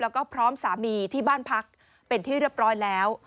แล้วก็พร้อมสามีที่บ้านพักเป็นที่เรียบร้อยแล้ว